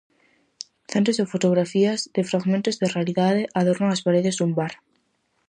Centos de fotografías, de fragmentos de realidade, adornan as paredes dun bar.